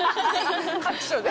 各所で。